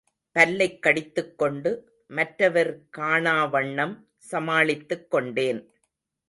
பல்லைக் கடித்துக்கொண்டு, மற்றவர் காணாவண்ணம் சமாளித்துக் கொண்டேன்.